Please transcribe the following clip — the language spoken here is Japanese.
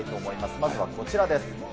まずはこちらです。